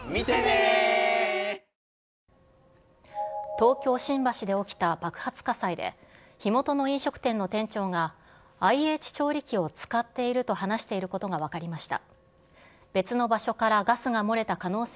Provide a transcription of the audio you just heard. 東京・新橋で起きた爆発火災で、火元の飲食店の店長が、ＩＨ調理器を使っていると話していることが分かりました。